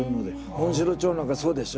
モンシロチョウなんかそうでしょ。